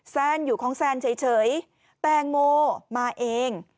แซนอยู่ของแซนเฉยแตงโมมาเอง